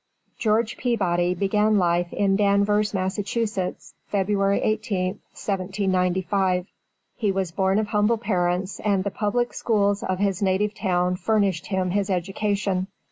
George Peabody began life in Danvers, Massachusetts, February 18th, 1795. He was born of humble parents and the public schools of his native town furnished him his education.